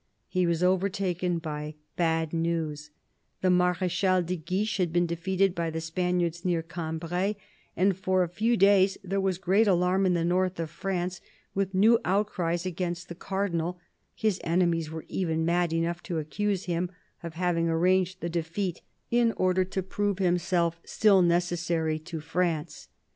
He was overtaken by bad news : the Marechal de Guiche had been defeated by the Spaniards near Cambray, and for a few days there was great alarm in the north of France, with new outcries against the Cardinal ; his enemies were even mad enough to accuse him of having arranged the defeat in order to prove himself still necessary to France.